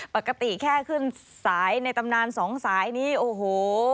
ปกติแค่ขึ้นสายในตำนานสองสายนี้โอ้โห